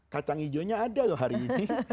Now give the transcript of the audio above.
kacang hijaunya ada loh hari ini